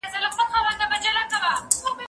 زه چپنه پاک کړې ده.